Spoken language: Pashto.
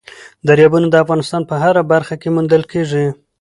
دریابونه د افغانستان په هره برخه کې موندل کېږي.